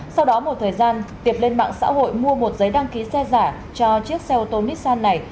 sau đó một thời gian tiệp lên mạng xã hội mua một giấy đăng ký xe giả cho chiếc xe ô tô nissan này